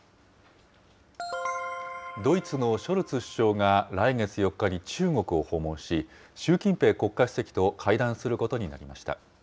ドイツのショルツ首相が来月４日に中国を訪問し、習近平国家主席と会談することになりました。